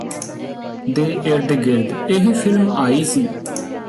ਦੇ ਇਰਦ ਗਿਰਦ ਇਹ ਫ਼ਿਲਮ ਆਈ ਸੀ